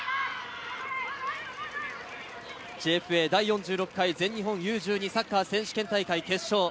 ＪＦＡ第４６回全日本Ｕ−１２サッカー選手権大会・決勝。